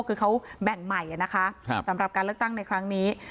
คือเขาแบ่งใหม่นะคะสำหรับการเลือกตั้งในครั้งนี้